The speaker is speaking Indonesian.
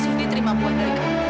saya nggak sudi terima boboan dari kamu